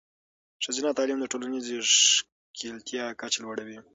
ښځینه تعلیم د ټولنیزې ښکیلتیا کچه لوړوي.